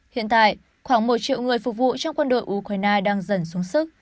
hiện tại khoảng một triệu người phục vụ trong quân đội ukraine đang dần xuống sức